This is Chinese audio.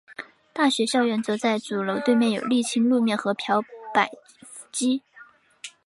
大学校园则在主楼对面有沥青路面和漂白机。